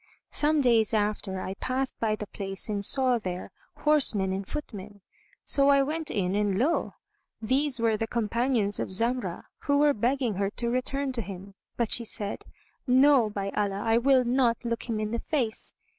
Some days after I passed by the place and saw there horsemen and footmen. So I went in and lo! these were the companions of Zamrah, who were begging her to return to him; but she said, "No, by Allah, I will not look him in the face!"